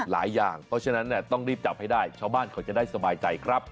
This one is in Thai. อย่างเพราะฉะนั้นต้องรีบจับให้ได้ชาวบ้านเขาจะได้สบายใจครับ